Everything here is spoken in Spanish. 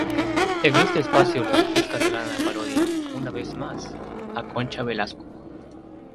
En este espacio la actriz catalana parodia, una vez más, a Concha Velasco.